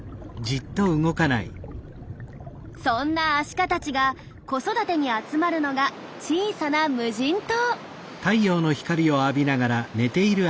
そんなアシカたちが子育てに集まるのが小さな無人島。